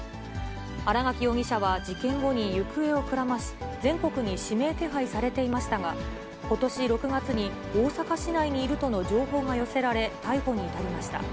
新垣容疑者は事件後に行方をくらまし、全国に指名手配されていましたが、ことし６月に大阪市内にいるとの情報が寄せられ、逮捕に至りました。